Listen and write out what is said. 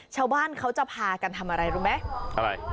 ชาวบ้านเขาจะพากันทำอะไรรู้ไหมอะไร